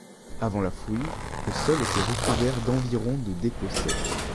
Avant la fouille, le sol était recouvert d'environ de dépôts secs.